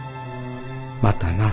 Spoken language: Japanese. またな。